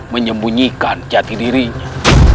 menyembunyikan jati dirinya